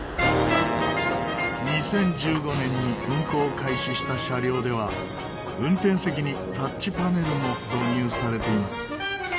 ２０１５年に運行開始した車両では運転席にタッチパネルも導入されています。